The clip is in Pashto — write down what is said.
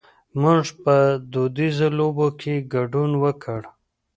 مونږ په دودیزو لوبو کې ګډون وکړ.